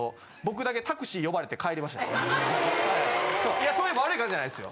いやそういう悪い方じゃないですよ。